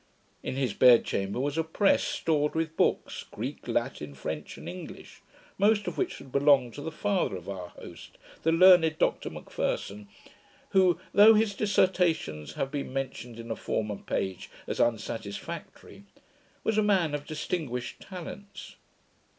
In his bed chamber was a press stored with books, Greek, Latin, French, and English, most of which had belonged to the father of our host, the learned Dr M'Pherson; who, though his Dissertations have been mentioned in a former page as unsatisfactory, was a man of distinguished talents.